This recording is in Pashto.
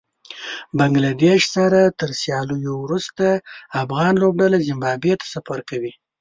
بنګله دېش سره تر سياليو وروسته افغان لوبډله زېمبابوې ته سفر کوي